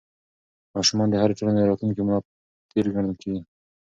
ماشومان د هرې ټولنې د راتلونکي ملا تېر ګڼل کېږي.